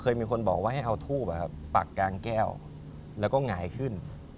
มีคนบอกว่าให้เอาทูบปักกลางแก้วแล้วก็หงายขึ้น